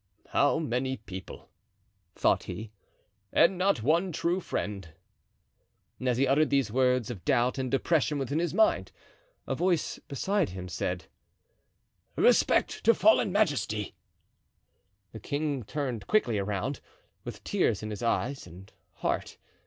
"How many people," thought he, "and not one true friend." And as he uttered these words of doubt and depression within his mind, a voice beside him said: "Respect to fallen majesty." The king turned quickly around, with tears in his eyes and heart.